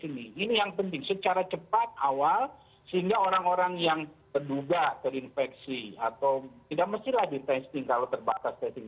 ini yang penting secara cepat awal sehingga orang orang yang terduga terinfeksi atau tidak mestilah di testing kalau terbatas testing